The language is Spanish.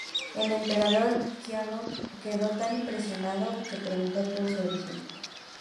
El emperador Qianlong quedó tan impresionado que preguntó por su origen.